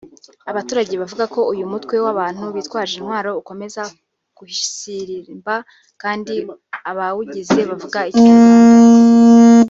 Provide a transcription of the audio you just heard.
Abaturage bavuga ko uyu mutwe w’abantu bitwaje intwaro ukomeza kuhisirisimba kandi abawugize bavuga ikinyarwanda